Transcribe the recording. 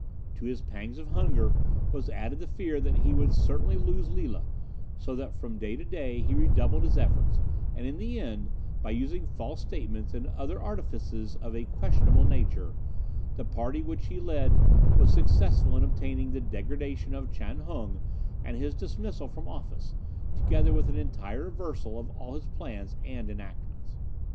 To his pangs of hunger was added the fear that he would certainly lose Lila, so that from day to day he redoubled his efforts, and in the end, by using false statements and other artifices of a questionable nature, the party which he led was successful in obtaining the degradation of Chan Hung and his dismissal from office, together with an entire reversal of all his plans and enactments.